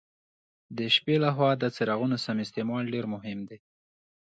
د شپې له خوا د څراغونو سم استعمال ډېر مهم دی.